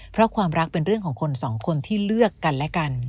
เพราะความรักเป็นเรื่องของคนสองคนที่เลือกกันและกัน